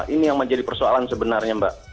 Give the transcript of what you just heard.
ini yang menjadi persoalan sebenarnya mbak